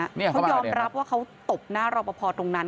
เขายอมรับว่าเขาตบหน้ารอปภตรงนั้น